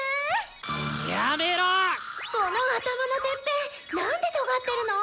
この頭のてっぺん何でとがってるの？